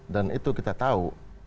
dan itu kita tahu